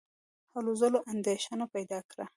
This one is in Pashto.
هلو ځلو اندېښنه پیدا کړه.